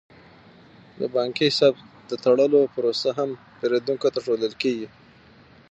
د بانکي حساب د تړلو پروسه هم پیرودونکو ته ښودل کیږي.